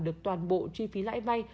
được toàn bộ chi phí lãi vay